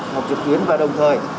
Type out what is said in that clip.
học trực tuyến và đồng thời